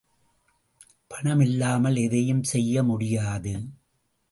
பணம் இல்லாமல் எதையும் செய்ய முடியாது.